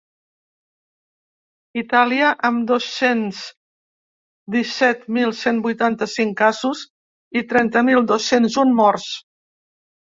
Itàlia, amb dos-cents disset mil cent vuitanta-cinc casos i trenta mil dos-cents un morts.